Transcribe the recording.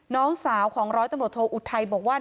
น้องสาวของร้อยตำรวจโทอุทัยบอกว่า